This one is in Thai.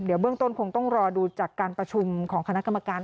เดี๋ยวเบื้องต้นคงต้องรอดูจากการประชุมของคณะกรรมการ